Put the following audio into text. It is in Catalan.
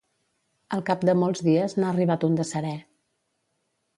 Al cap de molts dies n'ha arribat un de serè.